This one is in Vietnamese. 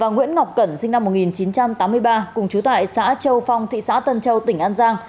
nguyễn ngọc cẩn sinh năm một nghìn chín trăm tám mươi ba cùng chú tại xã châu phong thị xã tân châu tỉnh an giang